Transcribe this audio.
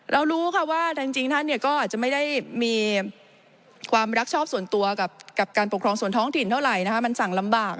รู้ค่ะว่าจริงท่านก็อาจจะไม่ได้มีความรักชอบส่วนตัวกับการปกครองส่วนท้องถิ่นเท่าไหร่มันสั่งลำบาก